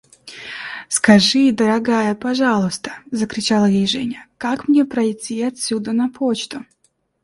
– Скажи, дорогая, пожалуйста, – закричала ей Женя, – как мне пройти отсюда на почту?